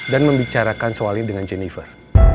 dan membicarakan soalnya dengan jennifer